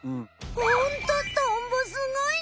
ホントトンボすごいね。